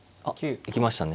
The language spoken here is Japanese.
行きましたね。